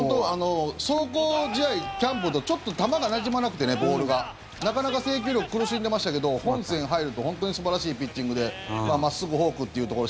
壮行試合、キャンプとちょっと球がなじまなくてなかなか制球力苦しんでましたけど本戦入ると本当に素晴らしいピッチングで真っすぐフォークというところ。